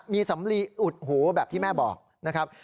มีสำลีอุดหูแบบที่แม่บอกนะครับ